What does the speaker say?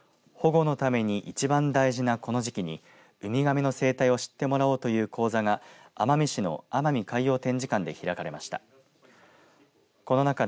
保護のために一番大事なこの時期にウミガメの生態を知ってもらおうという講座が奄美市の奄美海洋展示館で開かれました。